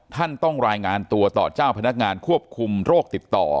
ต้องรายงานตัวต่อเจ้าพนักงานควบคุมโรคติดต่อ